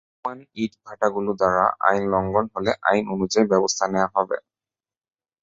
বিদ্যমান ইটভাটাগুলো দ্বারা আইন লঙ্ঘন হলে আইন অনুযায়ী ব্যবস্থা নেওয়া হবে।